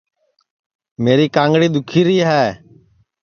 میری کانگڑی دُؔکھیری ہے